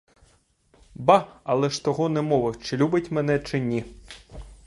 Ба, але ж того не мовив, чи любить мене, чи ні.